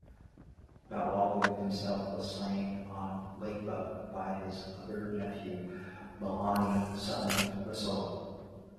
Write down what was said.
Matawalu himself was slain on Lakeba by his other nephew Malani, son of Rasolo.